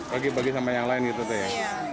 bagi bagi sama yang lain gitu teh